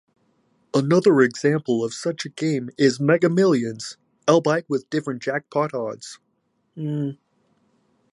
Another example of such a game is Mega Millions, albeit with different jackpot odds.